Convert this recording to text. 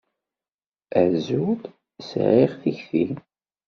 Azul, sεiɣ tikti.